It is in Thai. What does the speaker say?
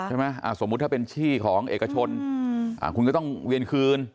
สมมุติถ้าเป็นชื่อของเอกชนคุณก็ต้องเวียนคืน